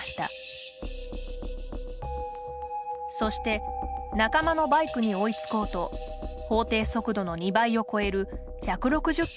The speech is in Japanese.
そして仲間のバイクに追いつこうと法定速度の２倍を超える１６０キロまで加速。